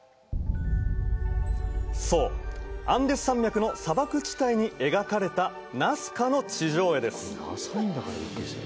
そうアンデス山脈の砂漠地帯に描かれたナスカの地上絵です